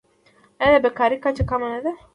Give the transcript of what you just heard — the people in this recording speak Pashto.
آیا د بیکارۍ کچه کمه نه ده؟